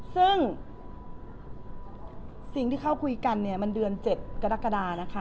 ซึ่งสิ่งที่เขาคุยกันเนี่ยมันเดือน๗กรกฎานะคะ